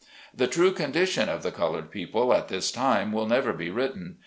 The true condition of the colored people at this time will never be written.